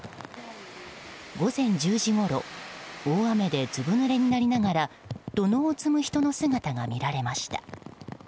午前１０時ごろ大雨でずぶぬれになりながら土のうを積む人の姿が見られました。